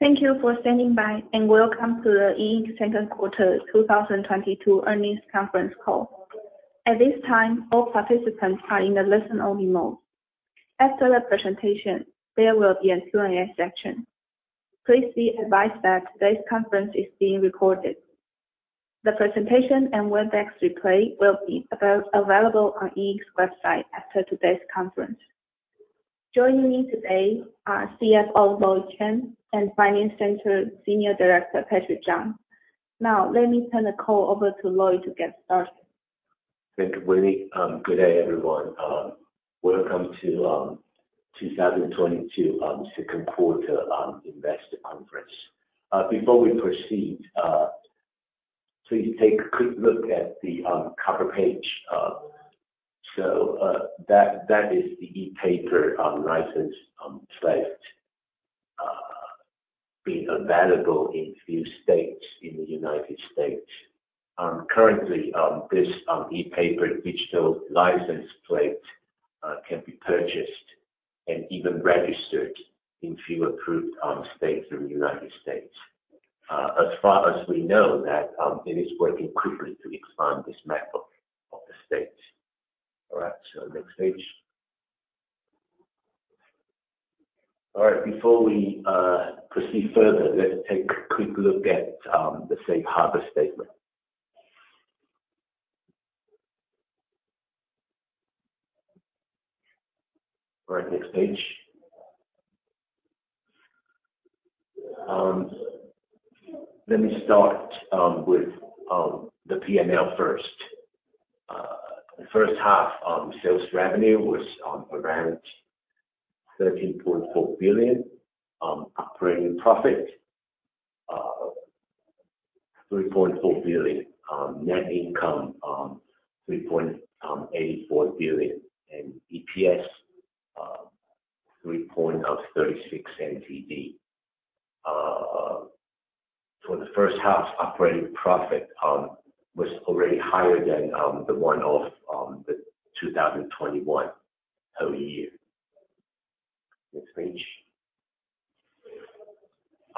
Thank you for standing by, and welcome to the E Ink second quarter 2022 earnings conference call. At this time, all participants are in a listen-only mode. After the presentation, there will be a Q&A session. Please be advised that today's conference is being recorded. The presentation and WebEx replay will be available on E Ink's website after today's conference. Joining me today are CFO Lloyd Chen and Senior Director, Finance Center, Patrick Chang. Now, let me turn the call over to Lloyd to get started. Thank you, Winnie. Good day, everyone. Welcome to 2022 second quarter investor conference. Before we proceed, please take a quick look at the cover page. So, that is the e-paper license plate being available in few states in the United States. Currently, this e-paper digital license plate can be purchased and even registered in few approved states in the United States. As far as we know, it is working quickly to expand this map of the states. All right, so next page. All right, before we proceed further, let's take a quick look at the safe harbor statement. All right, next page. Let me start with the PNL first. The first half sales revenue was around 13.4 billion, operating profit 3.4 billion, net income 3.84 billion, and EPS 3.36 NTD. For the first half operating profit was already higher than the one of the 2021 whole year. Next page.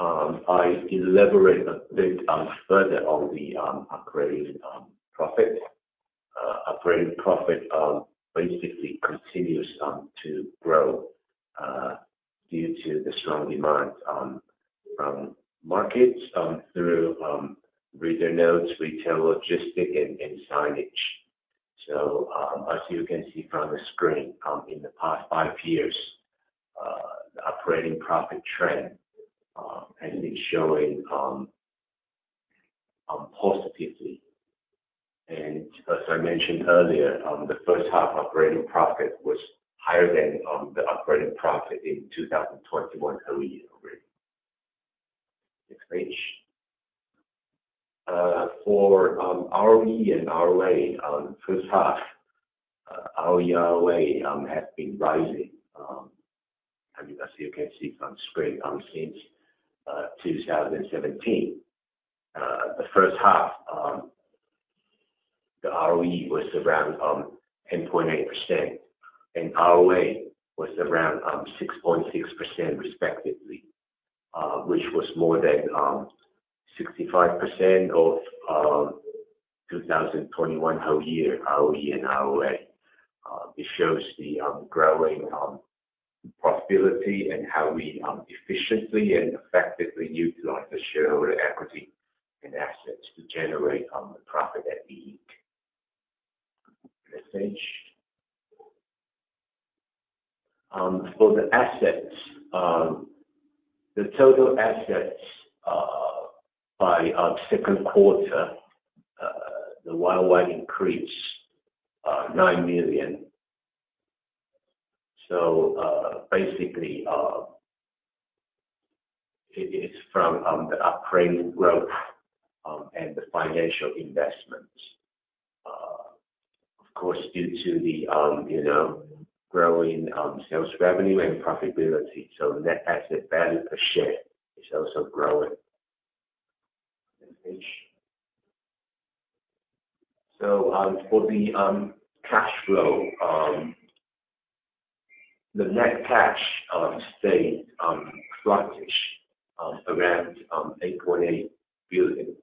I elaborate a bit further on the operating profit. Operating profit basically continues to grow due to the strong demand from markets through eReader, eNote, retail, logistics, and signage. As you can see from the screen, in the past five years, the operating profit trend has been showing positively. As I mentioned earlier, the first half operating profit was higher than the operating profit in 2021 whole year already. Next page. For ROE and ROA, first half ROE and ROA has been rising. I mean, as you can see from the screen, since 2017. The first half, the ROE was around 10.8%, and ROA was around 6.6% respectively, which was more than 65% of 2021 whole year ROE and ROA. It shows the growing profitability and how we efficiently and effectively utilize the shareholder equity and assets to generate the profit at E Ink. Next page. For the assets, the total assets by second quarter they were increase TWD 9 million. Basically, it it's from the operating growth and the financial investments. Of course, due to the you know growing sales revenue and profitability, net asset value per share is also growing. Next page. For the cash flow, the net cash stayed sluggish around TWD 8.8 billion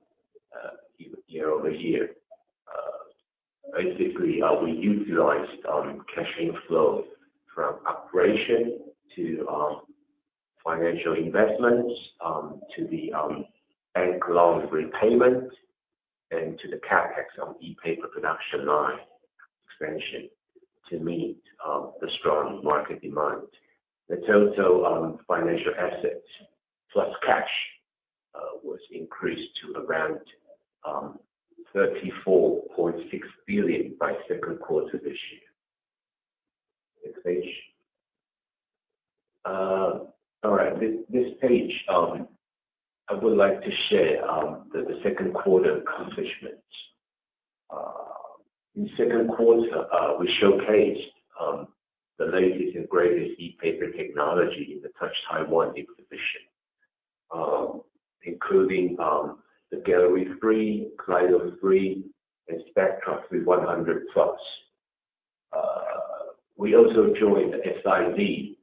year-over-year. Basically, we utilized cash flow from operation to financial investments to the bank loans repayment and to the CapEx on E paper production line expansion to meet the strong market demand. The total financial assets plus cash was increased to around 34.6 billion by second quarter this year. Next page. All right. This page, I would like to share the second quarter accomplishments. In second quarter, we showcased the latest and greatest E Ink technology in the Touch Taiwan exhibition, including the E Ink Gallery 3, E Ink Kaleido 3, and E Ink Spectra 3100+. We also joined SID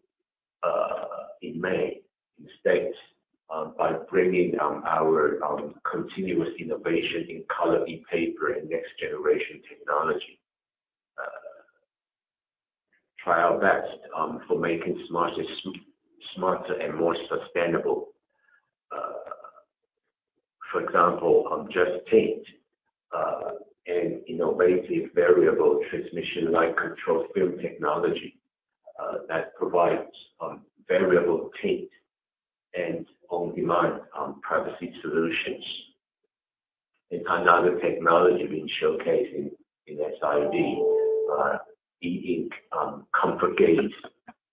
in May in States by bringing our continuous innovation in color ePaper and next generation technology. Try our best for making smarter and more sustainable. For example, on E Ink JustTint, an innovative variable transmission light control film technology that provides variable tint and on-demand privacy solutions. Another technology we showcasing in SID, E Ink ComfortGaze,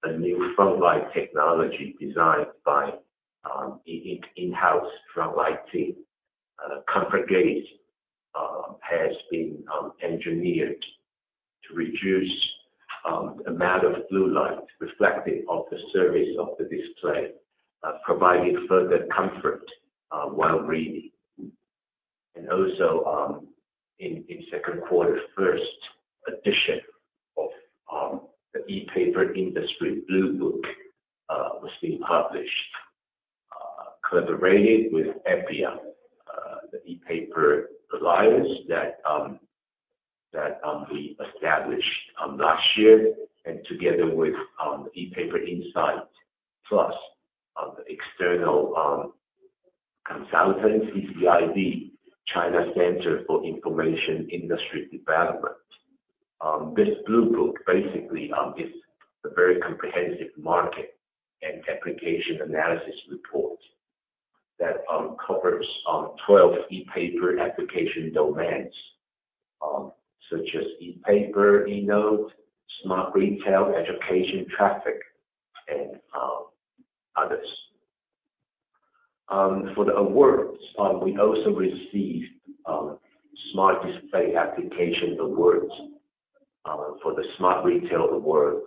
a new frontlight technology designed by E Ink in-house frontlight team. ComfortGaze has been engineered to reduce the amount of blue light reflected off the surface of the display, providing further comfort while reading. Also, in second quarter, first edition of the ePaper Industry Blue Book was being published, collaborated with EPIA, the ePaper Alliance that we established last year and together with ePaper Insight Plus, the external consultant, CCID, China Center for Information Industry Development. This Blue Book basically is a very comprehensive market and application analysis report that covers 12 ePaper application domains, such as ePaper, eNote, smart retail, education, traffic, and others. For the awards, we also received smart display application awards for the smart retail award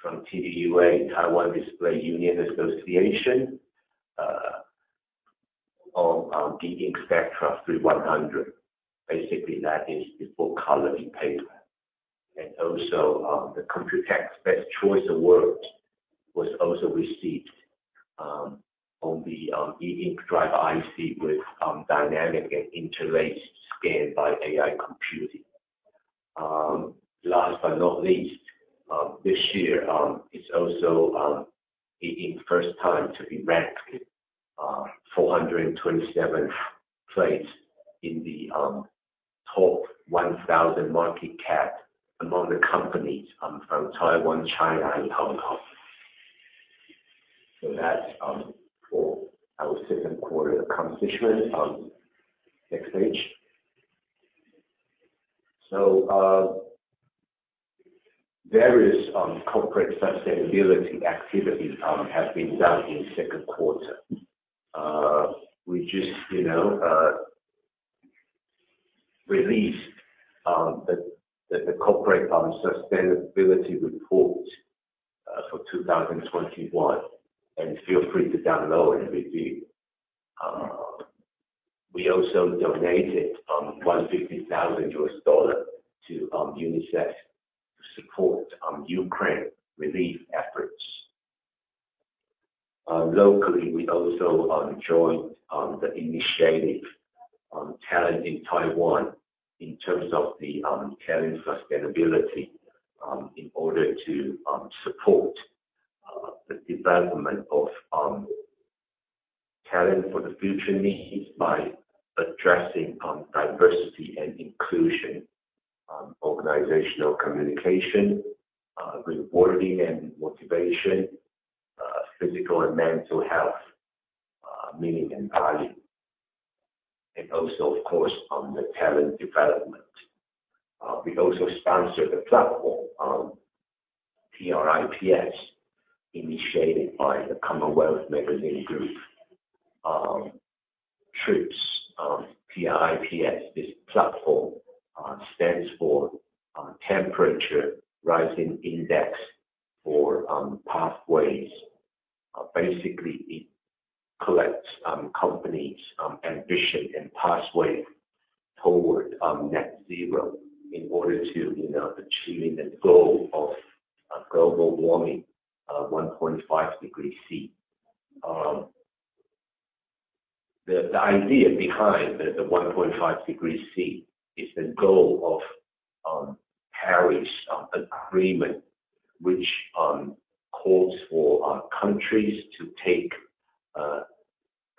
from TDUA, Taiwan Display Union Association. On the E Ink Spectra 3100, basically that is the full color ePaper. Also, the Computex Best Choice Award was also received on the E Ink Drive IC with dynamic and interlaced scan by AI computing. Last but not least, this year is also E Ink first time to be ranked 427th place in the top 1,000 market cap among the companies from Taiwan, China and Hong Kong. That's for our second quarter accomplishment. Next page. Various corporate sustainability activities have been done in second quarter. We just, you know, released the corporate sustainability report for 2021, and feel free to download and review. We also donated $150,000 to UNICEF to support Ukraine relief efforts. Locally, we also joined the initiative on talent in Taiwan in terms of the talent sustainability in order to support the development of talent for the future needs by addressing diversity and inclusion, organizational communication, rewarding and motivation, physical and mental health, meaning and value, and also, of course, the talent development. We also sponsored the platform TRIPS, initiated by the Commonwealth Magazine Group. TRIPS, this platform stands for Temperature Rising Index for Pathways. Basically it collects company's ambition and pathway toward net zero in order to, you know, achieving the goal of global warming, 1.5 degrees C. The idea behind the 1.5 degrees Celsius is the goal of Paris Agreement, which calls for countries to take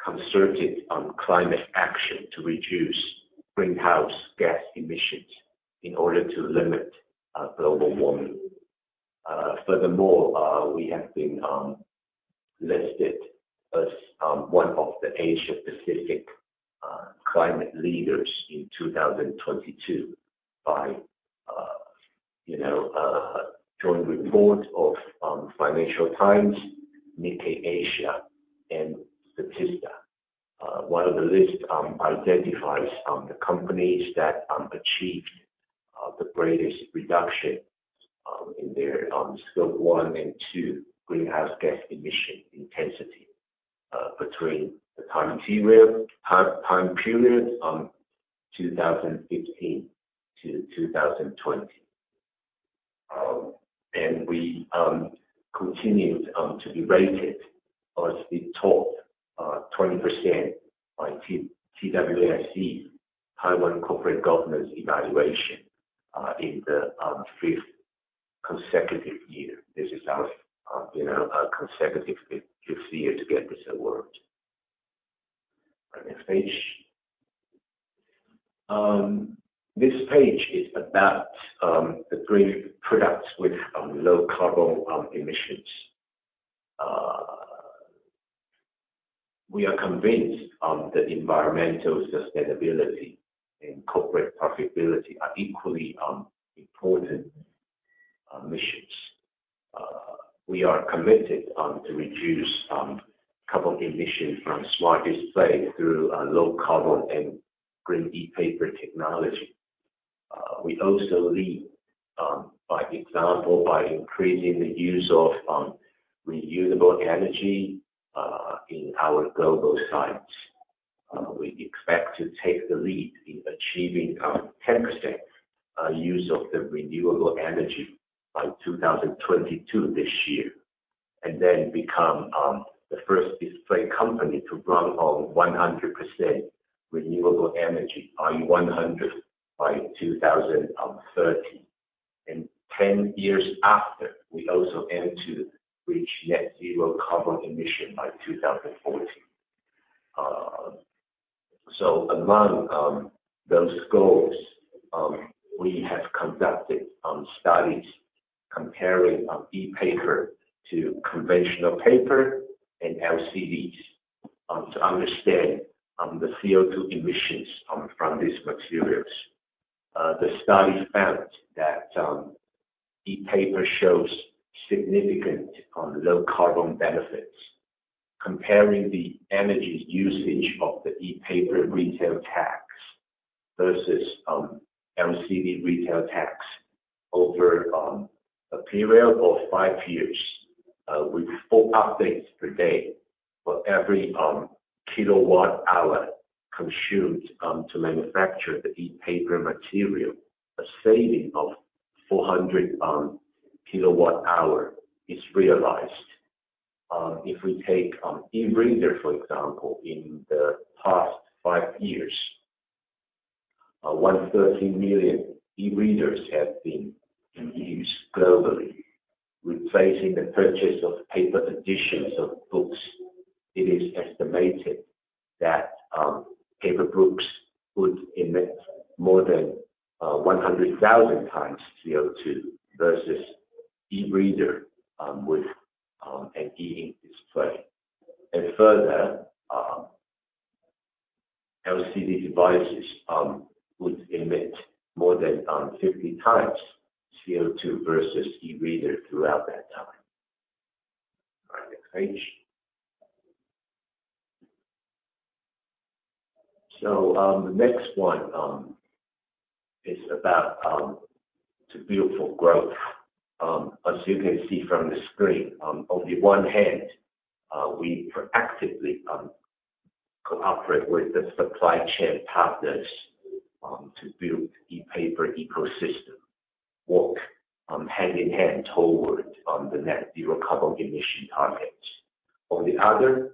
concerted climate action to reduce greenhouse gas emissions in order to limit global warming. Furthermore, we have been listed as one of the Asia Pacific climate leaders in 2022 by, you know, joint report of Financial Times, Nikkei Asia and Statista. One of the lists identifies the companies that achieved the greatest reduction in their Scope one and two greenhouse gas emission intensity between the time period 2015 to 2020. We continued to be rated as the top 20% by TWSE Corporate Governance Evaluation in the fifth consecutive year. This is our, you know, our consecutive fifth year to get this award. Next page. This page is about the green products with low carbon emissions. We are convinced that environmental sustainability and corporate profitability are equally important missions. We are committed to reduce carbon emissions from smart display through low carbon and green e-paper technology. We also lead by example by increasing the use of renewable energy in our global sites. We expect to take the lead in achieving 10% use of the renewable energy by 2022 this year. Become the first display company to run on 100% renewable energy on 100 by 2030. Ten years after, we also aim to reach net zero carbon emission by 2040. Among those goals, we have conducted studies comparing e-paper to conventional paper and LCDs to understand the CO2 emissions from these materials. The study found that e-paper shows significant low carbon benefits. Comparing the energy usage of the e-paper retail tags versus LCD retail tags over a period of five years with four updates per day. For every kWh consumed to manufacture the e-paper material, a saving of 400 kWh is realized. If we take eReader, for example, in the past five years, 130 million eReaders have been in use globally, replacing the purchase of paper editions of books. It is estimated that paper books would emit more than 100,000x CO2 versus eReader with an E Ink display. Further, LCD devices would emit more than 50x CO2 versus eReader throughout that time. All right, next page. The next one is about sustainable growth. As you can see from the screen, on the one hand, we proactively cooperate with the supply chain partners to build ePaper ecosystem, work hand-in-hand toward the net zero carbon emission target. On the other,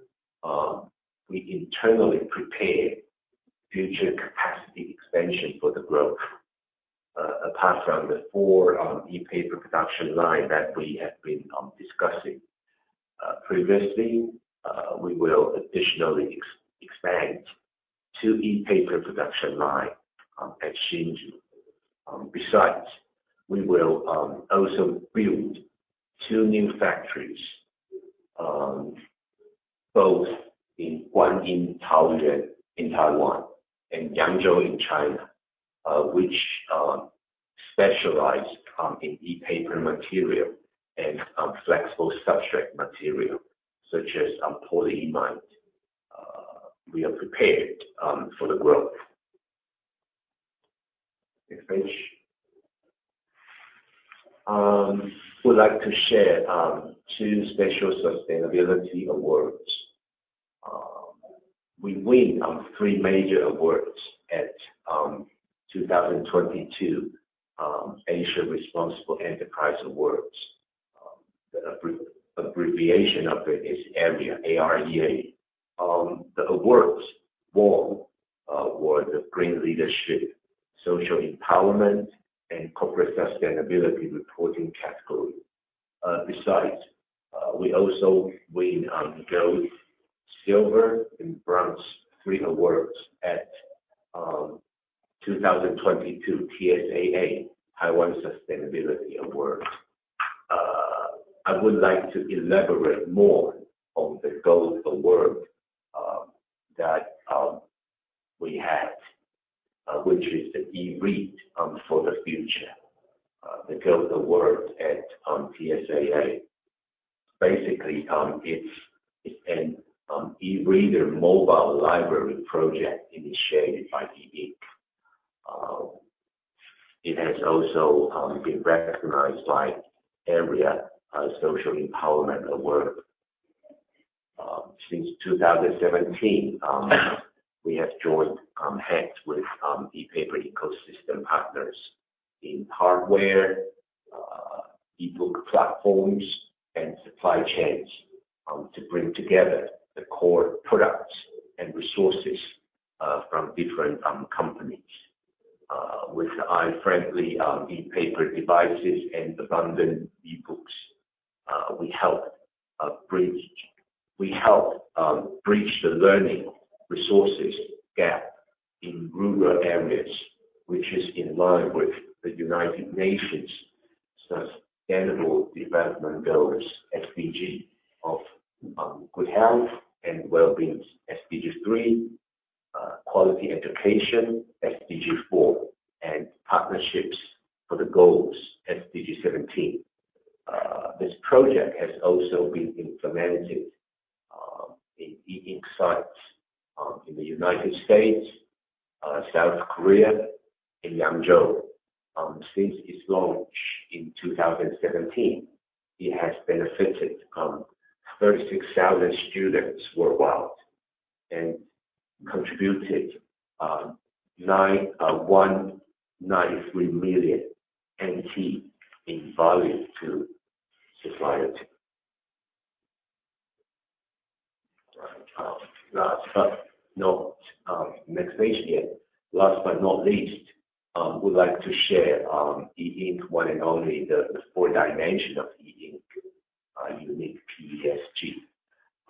we internally prepare future capacity expansion for the growth. Apart from the four e-paper production line that we have been discussing previously, we will additionally expand to e-paper production line at Hsinchu. Besides, we will also build two new factories, one in Taoyuan in Taiwan and one in Yangzhou in China, which specialize in e-paper material and flexible substrate material, such as polyimide. We are prepared for the growth. Next page. Would like to share two special sustainability awards. We win three major awards at 2022 Asia Responsible Enterprise Awards. The abbreviation of it is AREA, A-R-E-A. The awards won were the Green Leadership, Social Empowerment, and Corporate Sustainability Reporting category. Besides, we also win gold, silver, and bronze, three awards at 2022 TCSA Taiwan Sustainability Award. I would like to elaborate more on the gold award that we had which is the e-Read for the Future, the gold award at TCSA. Basically, it's an e-reader mobile library project initiated by E Ink. It has also been recognized by AREA social empowerment award. Since 2017, we have joined hands with ePaper ecosystem partners in hardware, eBook platforms, and supply chains to bring together the core products and resources from different companies. With eye-friendly ePaper devices and abundant eBooks, we help bridge. We help bridge the learning resources gap in rural areas, which is in line with the United Nations Sustainable Development Goals, SDG, of good health and well-being, SDG 3, quality education, SDG 4, and partnerships for the goals, SDG 17. This project has also been implemented in E Ink sites in the United States, South Korea, in Yangzhou. Since its launch in 2017, it has benefited 36,000 students worldwide and contributed 91.93 million NT in value to society. Last but not least, we'd like to share E Ink one and only the four dimension of E Ink unique PESG.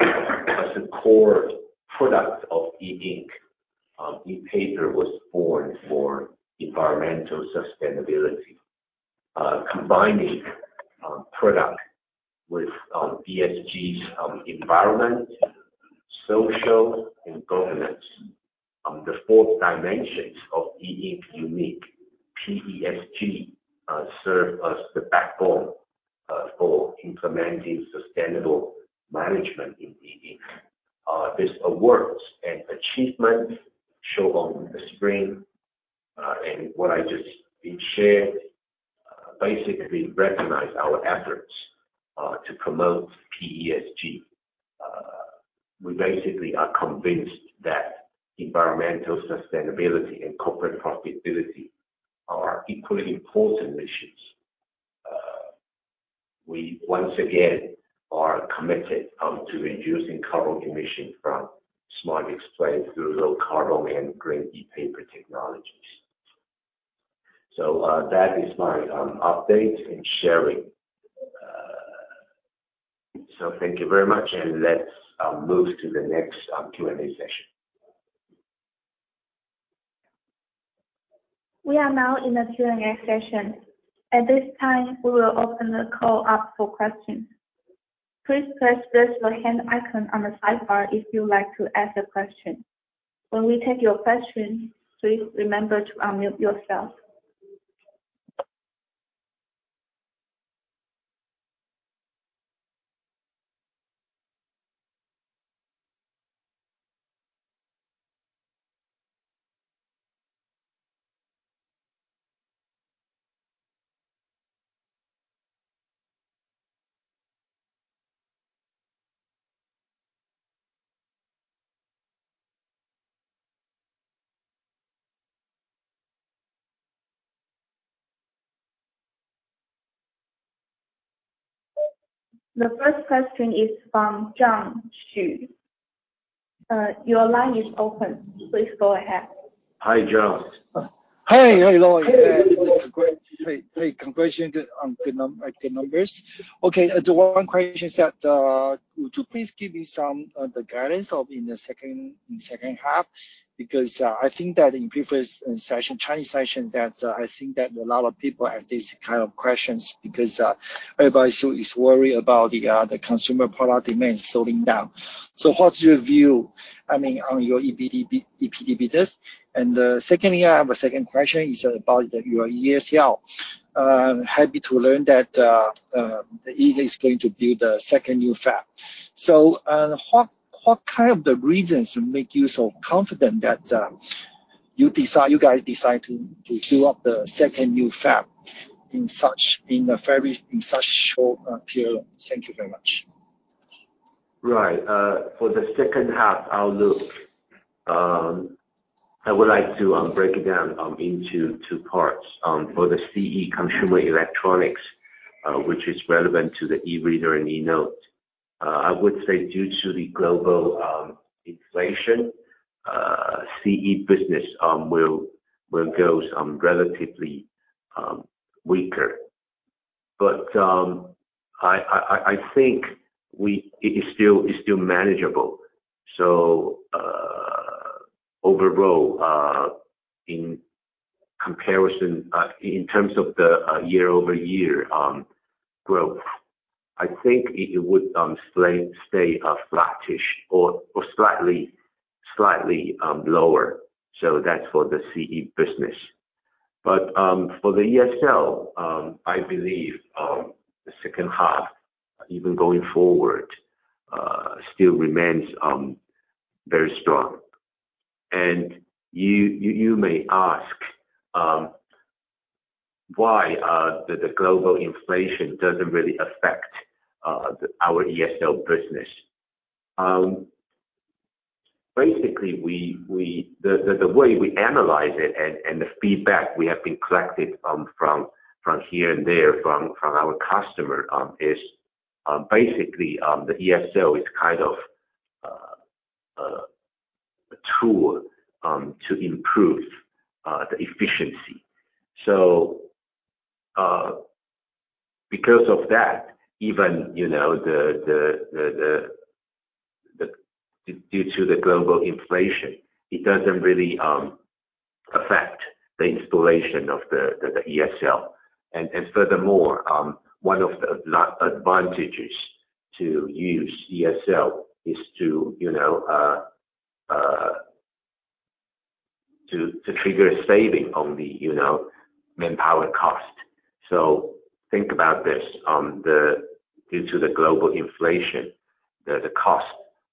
As a core product of E Ink, ePaper was born for environmental sustainability. Combining product with PESG environment, social, and governance. The four dimensions of E Ink's unique PESG serve as the backbone for implementing sustainable management in E Ink. These awards and achievements shown on the screen and what I just shared basically recognize our efforts to promote PESG. We basically are convinced that environmental sustainability and corporate profitability are equally important missions. We once again are committed to reducing carbon emissions from smart displays through low carbon and green ePaper technologies. That is my update and sharing. Thank you very much, and let's move to the next Q&A session. We are now in the Q&A session. At this time, we will open the call up for questions. Please press the raise your hand icon on the sidebar if you would like to ask a question. When we take your question, please remember to unmute yourself. The first question is from Jiong Xu. Your line is open. Please go ahead. Hi, John. Hi. Hello. Hey, hey. Congratulations on good numbers. Okay, the one question is, would you please give me some guidance for the second half, because I think that in previous session, Chinese session, that I think that a lot of people have these kind of questions because everybody is so worried about the consumer product demand slowing down. What's your view, I mean, on your eReader business? And the second question is about your ESL. Happy to learn that the E Ink is going to build a second new fab. What kind of the reasons make you so confident that you guys decide to build up the second new fab in such a very short period? Thank you very much. Right. For the second half outlook, I would like to break it down into two parts. For the CE, consumer electronics, which is relevant to the eReader and eNote, I would say due to the global inflation, CE business will go relatively weaker. I think it's still manageable. Overall, in comparison, in terms of the year-over-year growth, I think it would stay flattish or slightly lower. That's for the CE business. For the ESL, I believe the second half, even going forward, still remains very strong. You may ask why the global inflation doesn't really affect our ESL business. Basically, the way we analyze it and the feedback we have collected from here and there from our customer is basically the ESL is kind of a tool to improve the efficiency. Because of that, even, you know, due to the global inflation, it doesn't really affect the installation of the ESL. Furthermore, one of the advantages to use ESL is to, you know, to trigger a saving on the manpower cost. Think about this. Due to the global inflation, the cost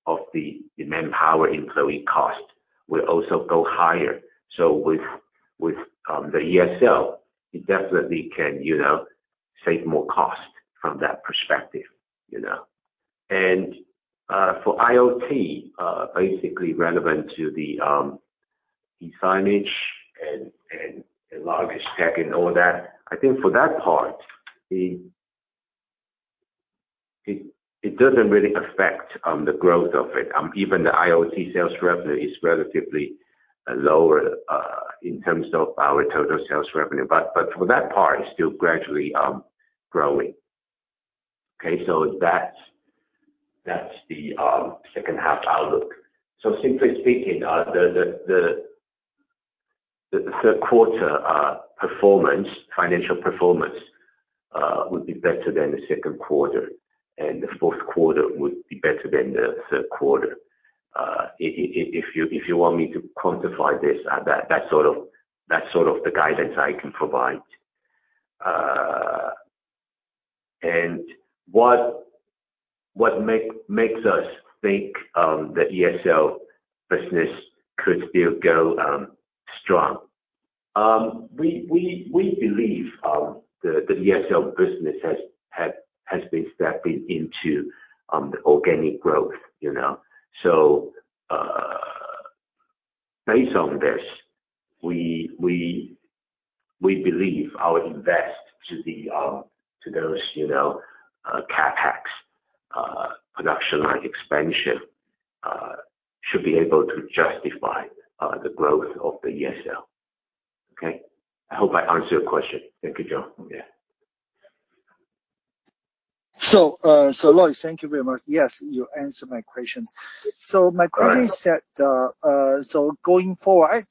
of the manpower employee cost will also go higher. With the ESL, it definitely can, you know, save more cost from that perspective, you know. For IoT, basically relevant to the e-signage and luggage tech and all that, I think for that part, it doesn't really affect the growth of it. Even the IoT sales revenue is relatively lower in terms of our total sales revenue. For that part, it's still gradually growing. Okay? That's the second half outlook. Simply speaking, the third quarter financial performance would be better than the second quarter, and the fourth quarter would be better than the third quarter. If you want me to quantify this, that's sort of the guidance I can provide. What makes us think the ESL business could still go strong. We believe the ESL business has been stepping into the organic growth, you know. Based on this, we believe our investment to those, you know, CapEx production line expansion should be able to justify the growth of the ESL. Okay? I hope I answered your question. Thank you, John. Yeah. Lloyd, thank you very much. Yes, you answered my questions. My question is that going forward,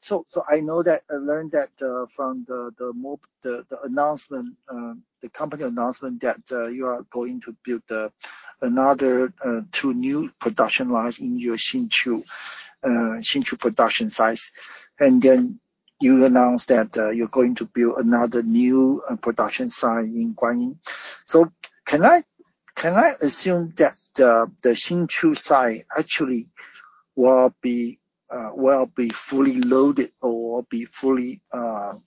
I know that, I learned that from the announcement, the company announcement that you are going to build another two new production lines in your Hsinchu production sites. Then you announced that you're going to build another new production site in Guanyin. Can I assume that the Hsinchu site actually will be fully loaded or fully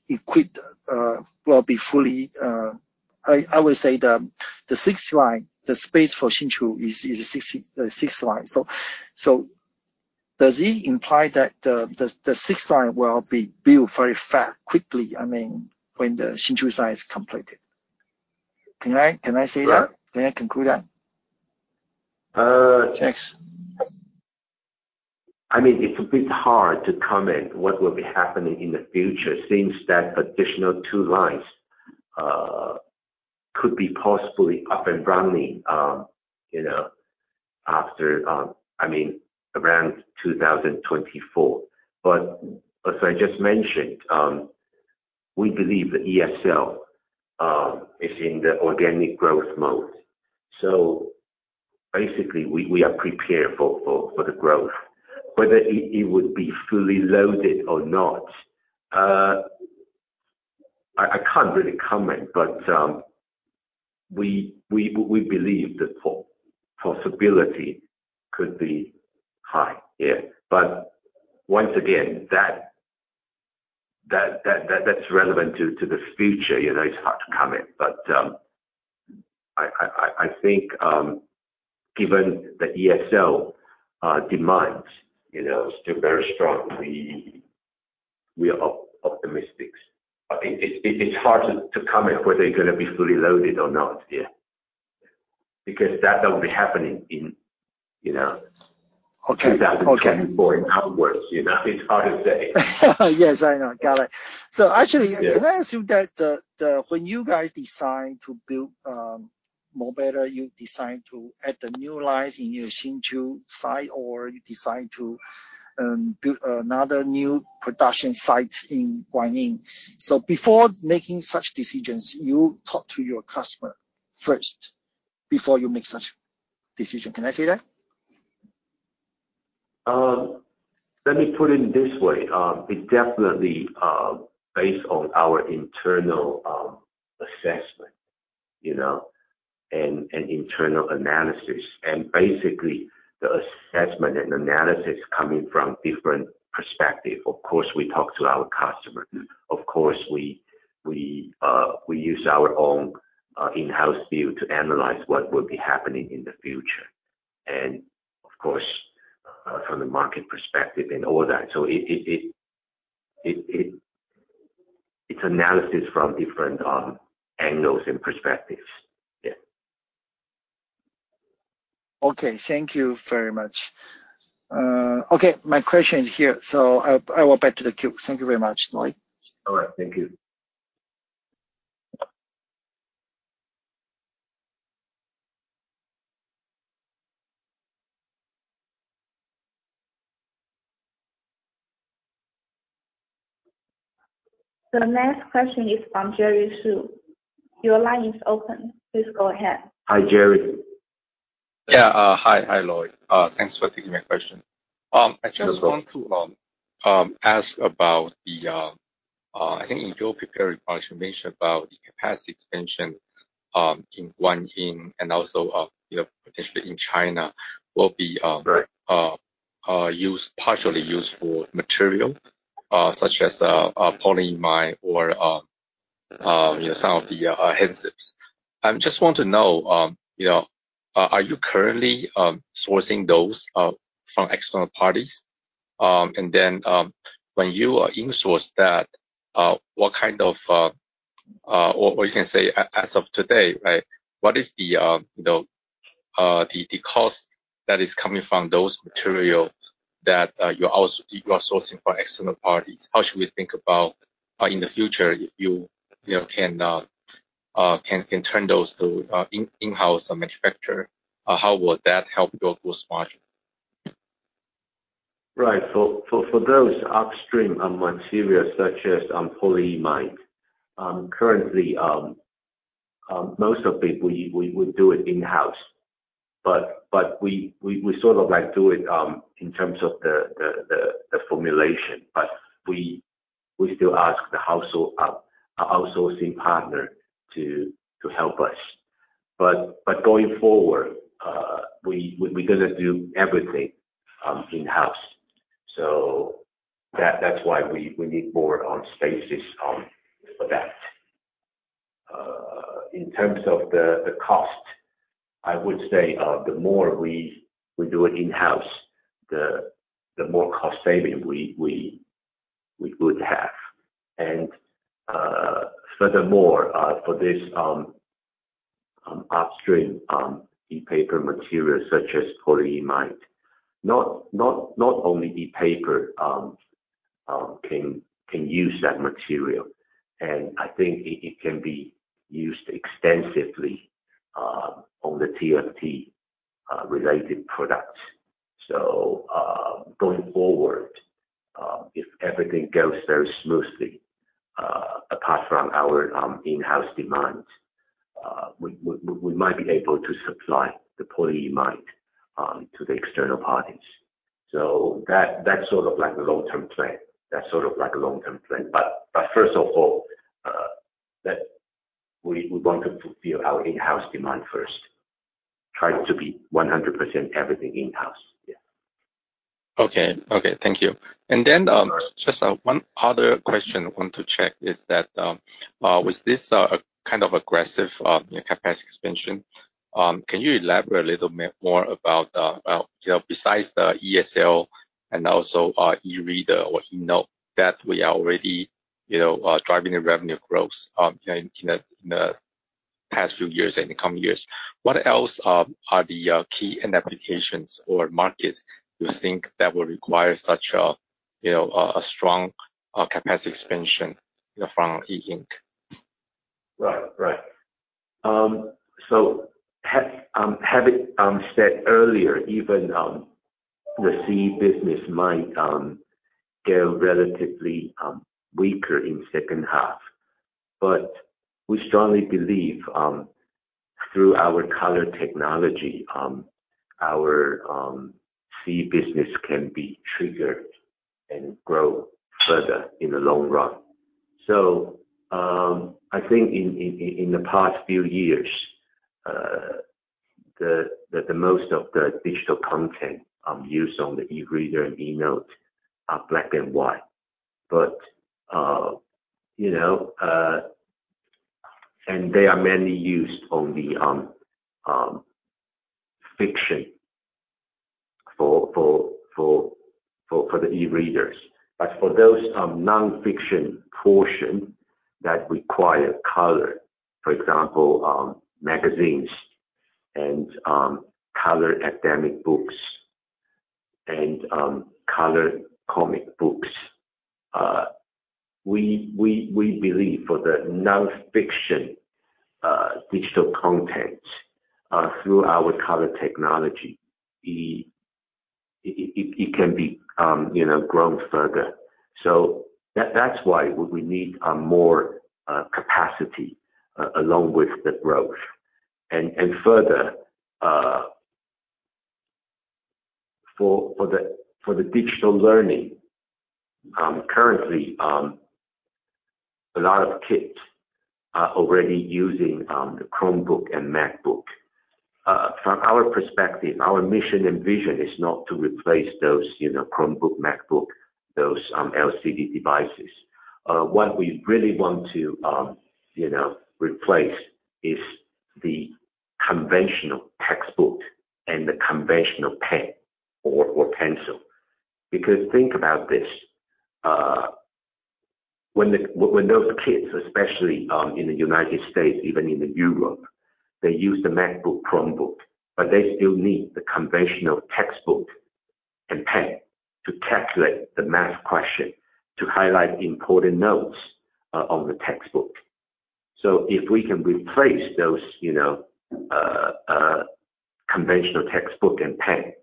equipped? I will say the six line, the space for Hsinchu is a six line. Does it imply that the sixth line will be built very fast, quickly, I mean, when the Hsinchu site is completed? Can I say that? Yeah. Can I conclude that? Uh. Thanks. I mean, it's a bit hard to comment what will be happening in the future since that additional two lines could be possibly up and running, you know, after I mean around 2024. As I just mentioned, we believe the ESL is in the organic growth mode. Basically we are prepared for the growth. Whether it would be fully loaded or not, I can't really comment, but we believe the possibility could be high. Yeah. Once again, that's relevant to the future. You know, it's hard to comment. I think, given the ESL demands, you know, still very strong, we are optimistic. I mean, it's hard to comment whether it's gonna be fully loaded or not yet because that will be happening in, you know. Okay. 2024 onwards. You know? It's hard to say. Yes, I know. Got it. Actually. Yeah. Can I assume that when you guys decide to build mobeda, you decide to add the new lines in your Hsinchu site, or you decide to build another new production site in Guanyin? Before making such decisions, you talk to your customer first before you make such decision. Can I say that? Let me put it this way. It definitely based on our internal assessment, you know, and internal analysis, and basically the assessment and analysis coming from different perspective. Of course, we talk to our customers. Of course, we use our own in-house view to analyze what will be happening in the future. Of course, from the market perspective and all that. It's analysis from different angles and perspectives. Yeah. Okay. Thank you very much. Okay, my question is here, so I go back to the queue. Thank you very much, Lloyd. All right. Thank you. The next question is from Jerry Su. Your line is open. Please go ahead. Hi, Jerry. Yeah. Hi, Lloyd. Thanks for taking my question. I just want to ask about the, I think in your prepared presentation, you mentioned about the capacity expansion in Guanyin and also, you know, potentially in China will be. Right. Used partially for material such as polyimide or you know some of the adhesives. I just want to know you know are you currently sourcing those from external parties? When you in-source that or you can say as of today right? What is the you know the cost that is coming from those material that you're sourcing from external parties? How should we think about in the future you know can turn those to in-house manufacturer? How would that help your gross margin? Right. For those upstream materials such as polyimide, currently most of it we do in-house. We sort of like do it in terms of the formulation, but we still ask the outsourcing partner to help us. Going forward, we gonna do everything in-house. That's why we need more space for that. In terms of the cost, I would say the more we do it in-house, the more cost saving we could have. Furthermore, for this upstream ePaper materials such as polyimide, not only ePaper can use that material, and I think it can be used extensively on the TFT related products. Going forward, if everything goes very smoothly, apart from our in-house demands, we might be able to supply the polyimide to the external parties. So that's sort of like a long-term plan. First of all, we want to fulfill our in-house demand first. Try to be 100% everything in-house. Okay. Thank you. Just one other question I want to check is that with this kind of aggressive capacity expansion, can you elaborate a little more about, well, you know, besides the ESL and also eReader or eNote that we are already, you know, driving the revenue growth in the past few years and the coming years. What else are the key end applications or markets you think that will require such a, you know, a strong capacity expansion, you know, from E Ink? Right. Having said earlier, even the C business might get relatively weaker in second half. We strongly believe through our color technology, our C business can be triggered and grow further in the long run. I think in the past few years, most of the digital content used on the eReader and eNote are black and white. You know, they are mainly used for fiction on the eReaders. For those nonfiction portion that require color, for example, magazines and color academic books and color comic books, we believe for the nonfiction digital content through our color technology, it can be you know grown further. That's why we need more capacity along with the growth. Further for the digital learning, currently a lot of kids are already using the Chromebook and MacBook. From our perspective, our mission and vision is not to replace those, you know, Chromebook, MacBook, those LCD devices. What we really want to, you know, replace is the conventional textbook and the conventional pen or pencil. Because think about this, when those kids, especially in the United States, even in Europe, they use the MacBook, Chromebook, but they still need the conventional textbook and pen to calculate the math question, to highlight important notes on the textbook. If we can replace those, you know, conventional textbook and pen,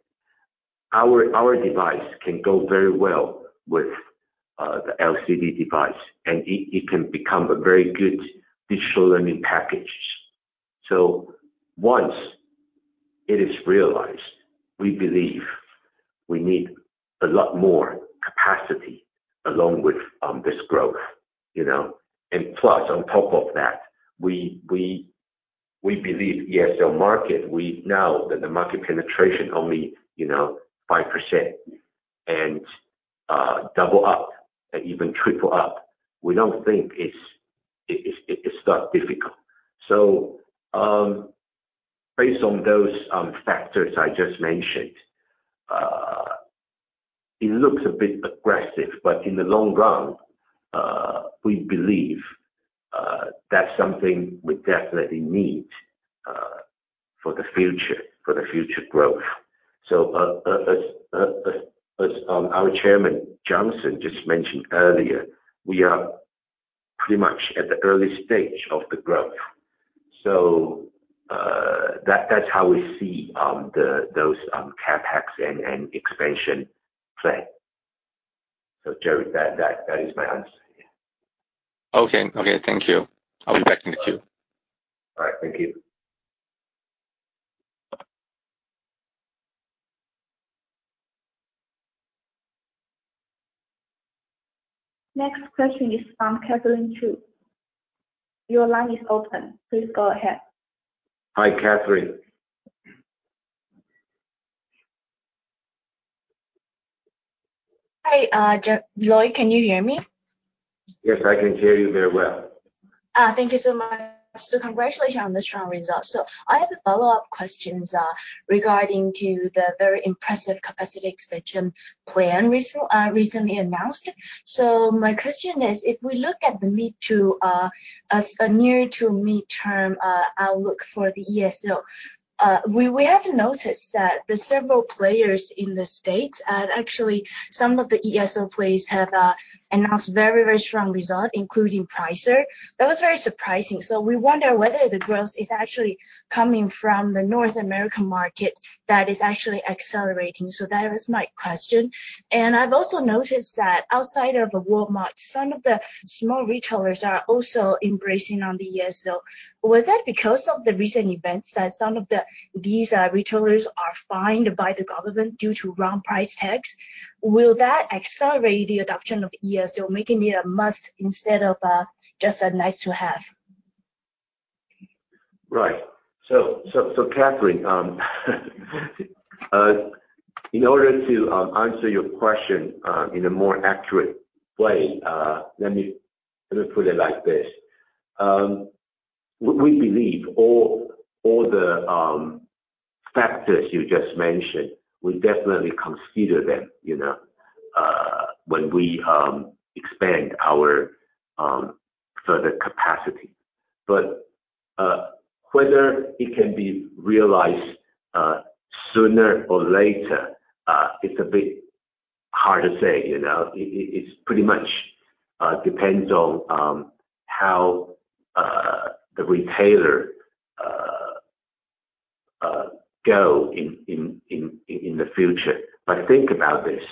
our device can go very well with the LCD device, and it can become a very good digital learning package. Once it is realized, we believe we need a lot more capacity along with this growth, you know. Plus, on top of that, we believe ESL market, we know that the market penetration only 5% and double up, even triple up. We don't think it's that difficult. Based on those factors I just mentioned, it looks a bit aggressive, but in the long run, we believe that's something we definitely need for the future growth. As our chairman, Johnson, just mentioned earlier, we are pretty much at the early stage of the growth. That's how we see those CapEx and expansion plan. Jerry, that is my answer, yeah. Okay. Okay, thank you. I'll be back in the queue. All right, thank you. Next question is from Katherina Chu. Your line is open. Please go ahead. Hi, Catherine. Hi, Lloyd, can you hear me? Yes, I can hear you very well. Thank you so much. Congratulations on the strong results. I have a follow-up questions regarding to the very impressive capacity expansion plan recently announced. My question is, if we look at the mid to as a near to midterm outlook for the ESL, we have noticed that several players in the States, and actually some of the ESL players have announced very strong result, including Pricer. That was very surprising. We wonder whether the growth is actually coming from the North American market that is actually accelerating. That was my question. I've also noticed that outside of Walmart, some of the small retailers are also embracing on the ESL. Was that because of the recent events that some of the retailers are fined by the government due to wrong price tags? Will that accelerate the adoption of ESL, making it a must instead of just a nice-to-have? Right. Catherine, in order to answer your question in a more accurate way, let me put it like this. We believe all the factors you just mentioned. We definitely consider them, you know, when we expand our further capacity. Whether it can be realized sooner or later is a bit hard to say, you know. It pretty much depends on how the retailers grow in the future. Think about this,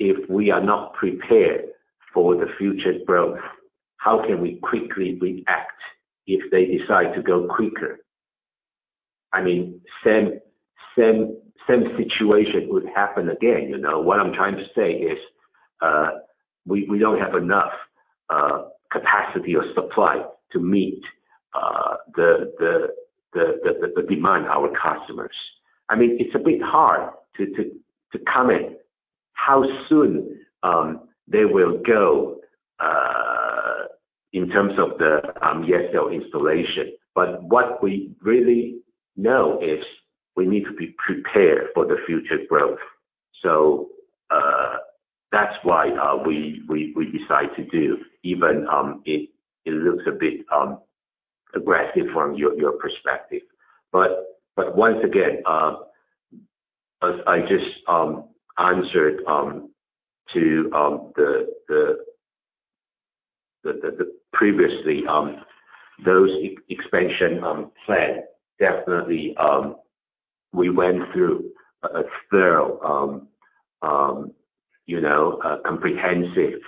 if we are not prepared for the future growth, how can we quickly react if they decide to go quicker? I mean, same situation would happen again, you know. What I'm trying to say is, we don't have enough capacity or supply to meet the demand our customers. I mean, it's a bit hard to comment how soon they will go in terms of the ESL installation. What we really know is we need to be prepared for the future growth. That's why we decide to do even it looks a bit aggressive from your perspective. Once again, as I just answered to the previously, those expansion plan, definitely. We went through a thorough, you know, a comprehensive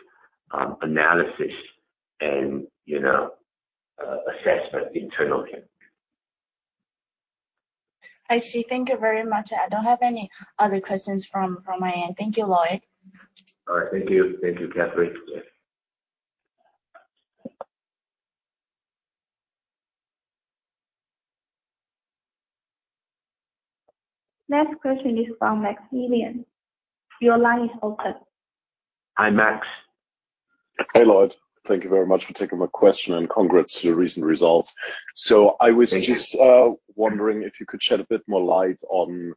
analysis and, you know, assessment internally. I see. Thank you very much. I don't have any other questions from my end. Thank you, Lloyd. All right. Thank you. Thank you, Catherine. Yes. Next question is from Maximilian. Your line is open. Hi, Max. Hey, Lloyd. Thank you very much for taking my question, and congrats to your recent results. Thank you. Just wondering if you could shed a bit more light on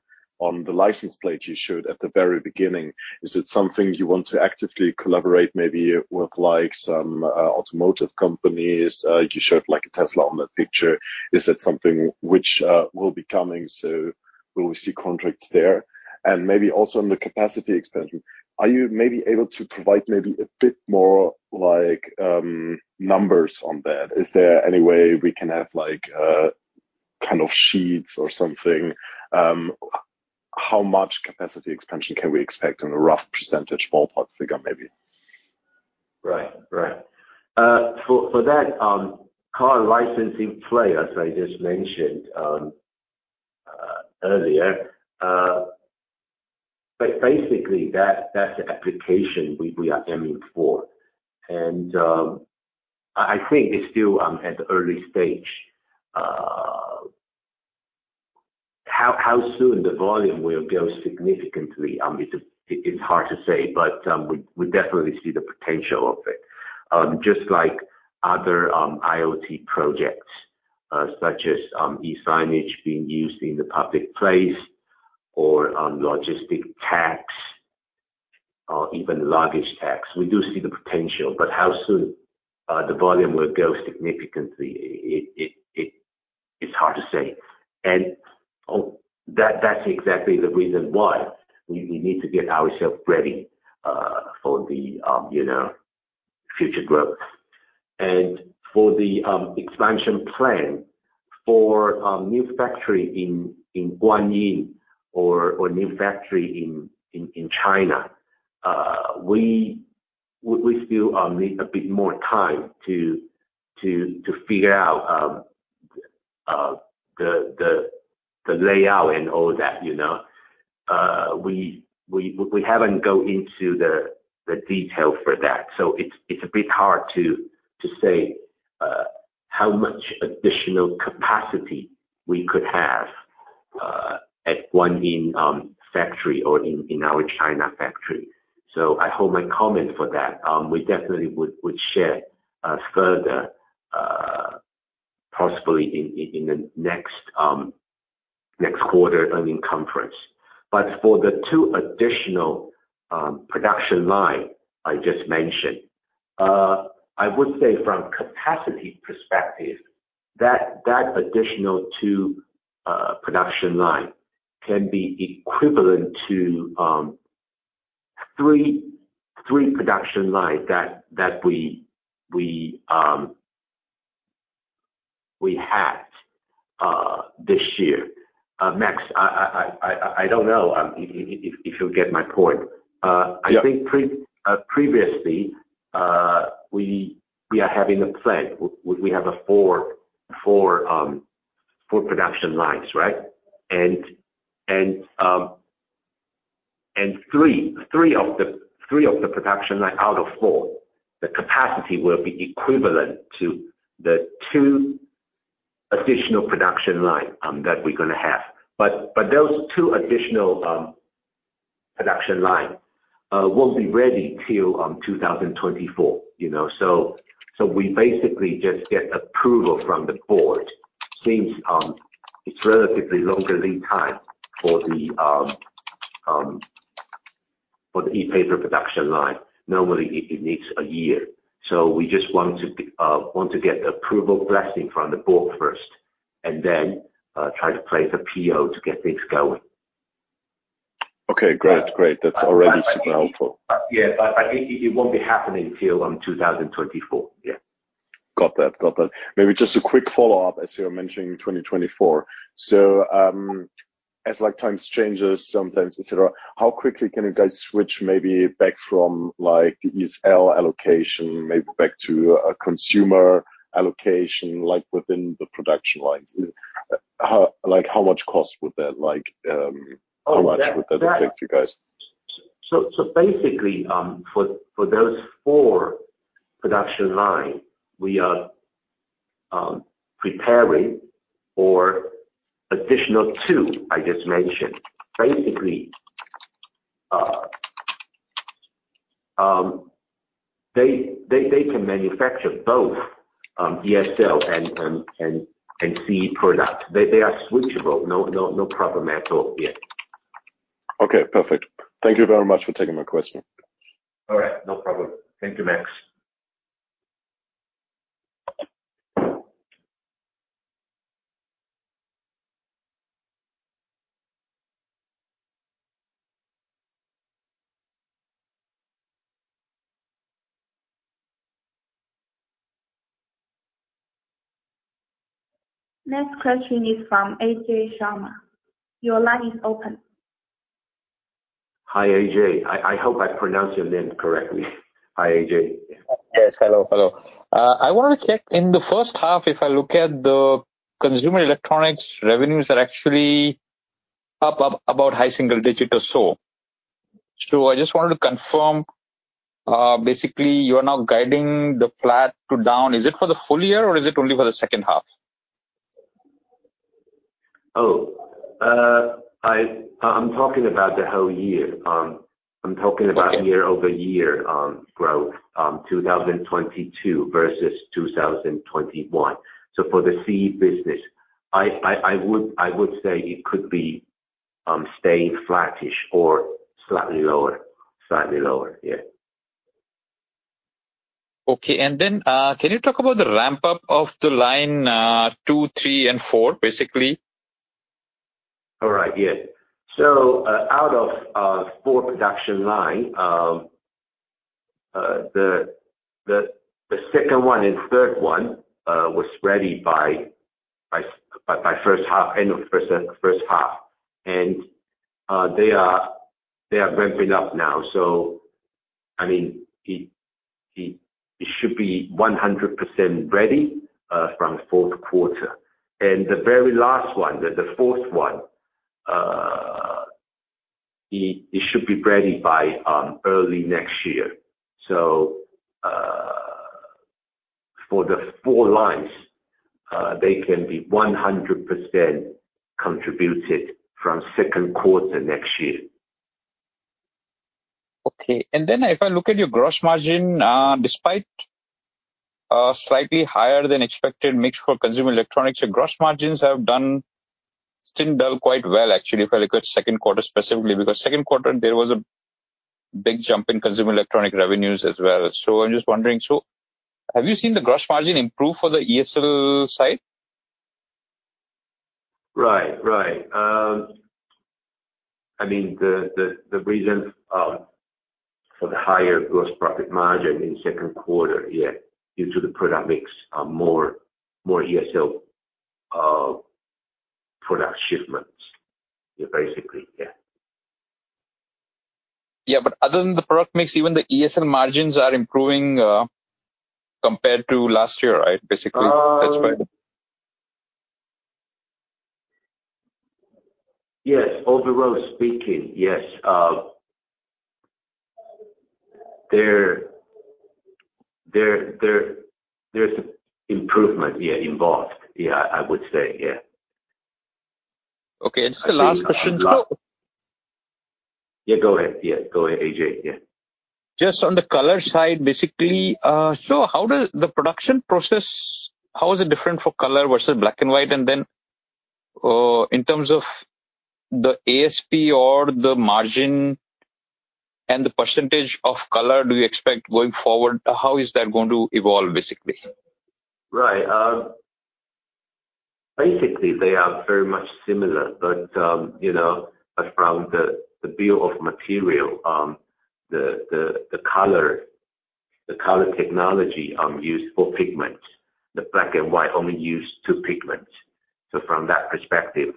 the license plate you showed at the very beginning. Is it something you want to actively collaborate, maybe work like some automotive companies? You showed like a Tesla on that picture. Is that something which will be coming, so will we see contracts there? Maybe also on the capacity expansion, are you maybe able to provide maybe a bit more like numbers on that? Is there any way we can have like kind of sheets or something? How much capacity expansion can we expect on a rough percentage, ballpark figure, maybe? Right. For that car license plate, as I just mentioned earlier, basically, that's the application we are aiming for. I think it's still at the early stage. How soon the volume will go significantly, it's hard to say, but we definitely see the potential of it. Just like other IoT projects, such as e-signage being used in the public place or logistics tags or even luggage tags. We do see the potential, but how soon the volume will go significantly, it's hard to say. That's exactly the reason why we need to get ourselves ready for the future growth. For the expansion plan for new factory in Guanyin or new factory in China, we still need a bit more time to figure out the layout and all that, you know. We haven't go into the detail for that. It's a bit hard to say how much additional capacity we could have at our new factory or in our China factory. I hold my comment for that. We definitely would share further possibly in the next quarter earnings conference. For the two additional production line I just mentioned, I would say from capacity perspective, that additional two production line can be equivalent to three production line that we had this year. Maximilian, I don't know if you get my point. Yeah. I think previously, we are having a plan. We have four production lines, right? Three of the production lines out of four, the capacity will be equivalent to the two additional production lines that we're gonna have. Those two additional production lines won't be ready till 2024, you know. We basically just get approval from the board since it's relatively longer lead time for the e-paper production line. Normally, it needs a year. We just want to get approval blessing from the board first and then try to place a PO to get things going. Okay, great. Great. That's already super helpful. Yeah. I think it won't be happening till 2024. Yeah. Got that. Maybe just a quick follow-up, as you're mentioning 2024. As time changes sometimes, et cetera, how quickly can you guys switch maybe back from like ESL allocation maybe back to a consumer allocation, like within the production lines? Like, how much would that cost like, Oh, that. How much would that affect you guys? Basically, for those four production line, we are preparing for additional two, I just mentioned. Basically, they can manufacture both ESL and CE product. They are switchable. No problem at all here. Okay, perfect. Thank you very much for taking my question. All right. No problem. Thank you, Max. Next question is from Ajay Sharma. Your line is open. Hi, AJ. I hope I pronounced your name correctly. Hi, AJ. Yes. Hello. Hello. I wanna check, in the first half, if I look at the consumer electronics revenues are actually up about high single digits or so. I just wanted to confirm, basically you are now guiding to flat to down. Is it for the full year, or is it only for the second half? I'm talking about the whole year. Okay. year-over-year growth, 2022 versus 2021. For the CE business, I would say it could be staying flattish or slightly lower. Slightly lower. Yeah. Okay. Can you talk about the ramp-up of the line, two, three and four, basically? All right. Yeah. Out of four production lines, the second one and third one was ready by first half, end of first half. They are ramping up now, so I mean, it should be 100% ready from fourth quarter. The very last one, the fourth one, it should be ready by early next year. For the four lines, they can be 100% contributed from second quarter next year. Okay. If I look at your gross margin, despite a slightly higher than expected mix for consumer electronics, your gross margins have still done quite well actually, if I look at second quarter specifically, because second quarter there was a big jump in consumer electronic revenues as well. I'm just wondering, so have you seen the gross margin improve for the ESL side? Right. I mean, the reason for the higher gross profit margin in second quarter, yeah, due to the product mix are more ESL product shipments. Yeah, basically. Yeah. Other than the product mix, even the ESL margins are improving, compared to last year, right? Basically, that's why. Yes. Overall speaking, yes. There's improvement, yeah, involved. Yeah. I would say, yeah. Okay. Just the last question. I think a lot. So- Yeah, go ahead. Yeah, go ahead, AJ. Yeah. Just on the color side, basically. How does the production process, how is it different for color versus black and white? In terms of the ASP or the margin and the percentage of color, do you expect going forward, how is that going to evolve, basically? Right. Basically, they are very much similar, but you know, from the bill of material, the color technology use four pigments. The black and white only use two pigments. So from that perspective,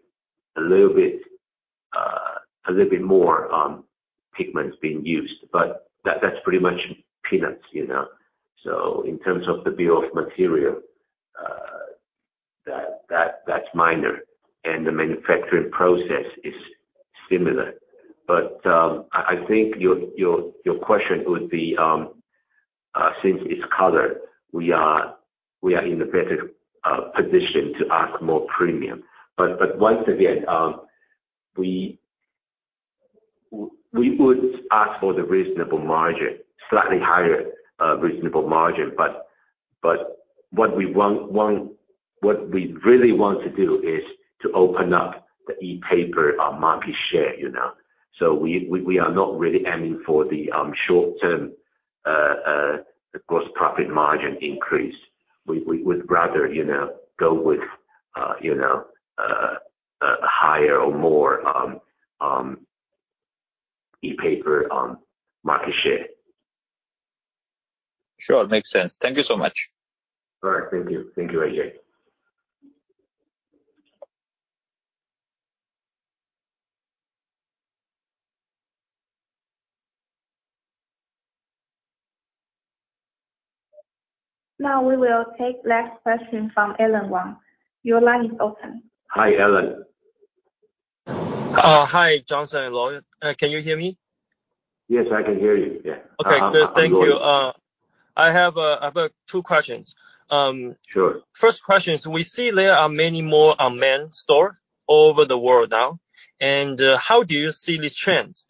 a little bit more pigments being used, but that's pretty much peanuts, you know. So in terms of the bill of material, that's minor and the manufacturing process is similar. I think your question would be, since it's color, we are in a better position to ask more premium. Once again, we would ask for the reasonable margin, slightly higher reasonable margin, but what we really want to do is to open up the e-paper market share, you know. We are not really aiming for the short-term gross profit margin increase. We would rather, you know, go with, you know, higher or more e-paper market share. Sure. Makes sense. Thank you so much. All right. Thank you. Thank you, AJ. Now we will take last question from Alan Wang. Your line is open. Hi, Alan. Hi, Johnson and Lloyd. Can you hear me? Yes, I can hear you. Yeah. Okay, good. Thank you. I have two questions. Sure. First question is, we see there are many more unmanned stores all over the world now. How do you see this trend?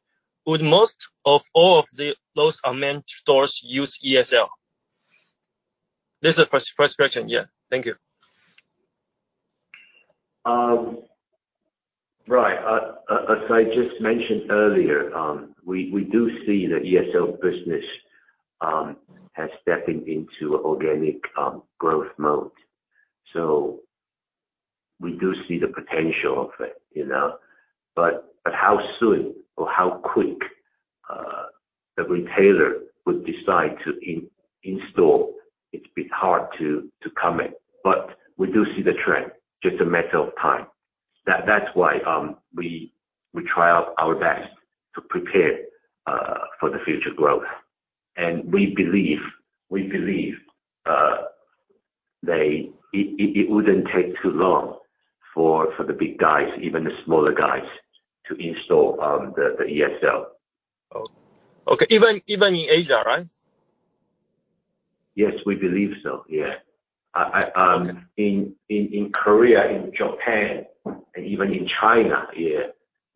Would most of all of the unmanned stores use ESL? This is first question. Yeah. Thank you. Right. As I just mentioned earlier, we do see the ESL business has stepping into organic growth mode. We do see the potential of it, you know. How soon or how quick the retailer would decide to install, it's a bit hard to comment. We do see the trend, just a matter of time. That's why we try our best to prepare for the future growth. We believe it wouldn't take too long for the big guys, even the smaller guys, to install the ESL. Okay. Even in Asia, right? Yes, we believe so. Yeah. In Korea, in Japan, and even in China, yeah,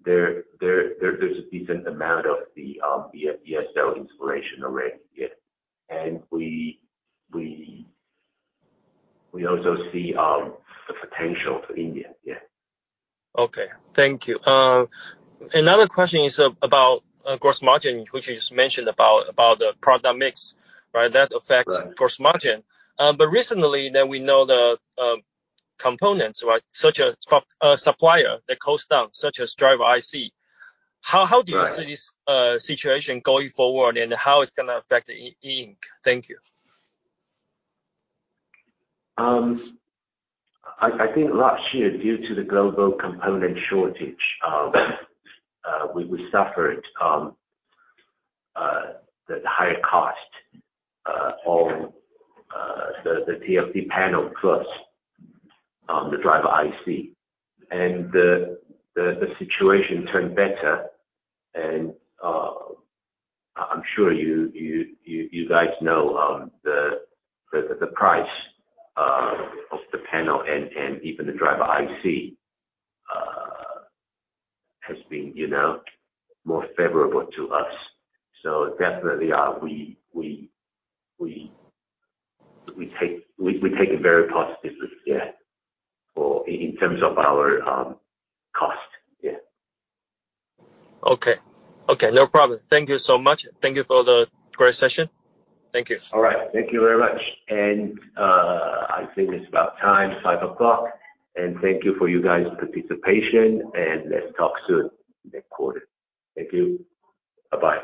there's a decent amount of the ESL installation already. Yeah. We also see the potential in India. Yeah. Okay. Thank you. Another question is about, of course, margin, which you just mentioned about the product mix, right? That affects- Right. gross margin. Recently then we know the components, right? Such as from a supplier, the cost down, such as driver IC. How do you Right. See this situation going forward, and how it's gonna affect E Ink? Thank you. I think last year, due to the global component shortage, we suffered the higher cost on the TFT panel plus the driver IC. The situation turned better and I'm sure you guys know the price of the panel and even the driver IC has been, you know, more favorable to us. We take it very positively. Yeah. In terms of our cost. Yeah. Okay, no problem. Thank you so much. Thank you for the great session. Thank you. All right. Thank you very much. I think it's about time, 5:00 P.M. Thank you for you guys' participation, and let's talk soon next quarter. Thank you. Bye-bye.